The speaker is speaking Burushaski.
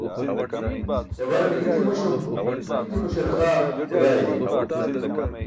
Śabarane i̇ti̇ muśum kʰiti muśar xaa xudaa iri̇i̇n.